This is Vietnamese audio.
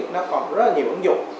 nó còn rất nhiều ứng dụng